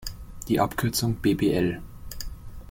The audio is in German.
Die Abkürzung bbl.